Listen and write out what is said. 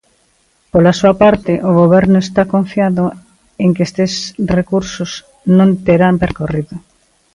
Pola súa parte, o Goberno está confiado en que estes recursos non terán percorrido.